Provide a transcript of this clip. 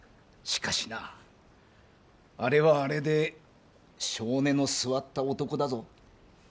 しかしなあれはあれで性根の据わった男だぞ。